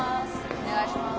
お願いします。